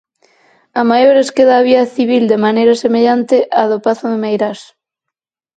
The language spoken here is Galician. A maiores, queda a vía civil de maneira semellante á do Pazo de Meirás.